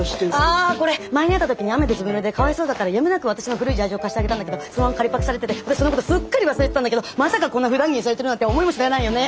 あこれ前に会った時に雨でずぶぬれでかわいそうだったからやむなく私の古いジャージを貸してあげたんだけどそのまま借りパクされてて私そのことすっかり忘れてたんだけどまさかこんなふだん着にされてるなんて思いもしないよね。